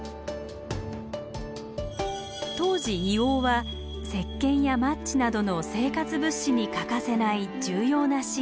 当時硫黄はせっけんやマッチなどの生活物資に欠かせない重要な資源。